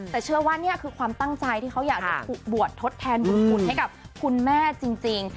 แต่เชื่อว่านี่คือความตั้งใจที่เขาอยากจะบวชทดแทนบุญคุณให้กับคุณแม่จริง